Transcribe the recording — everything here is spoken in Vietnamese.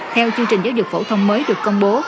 theo chương trình giáo dục phổ thông mới được công bố